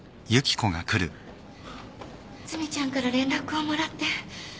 須美ちゃんから連絡をもらって。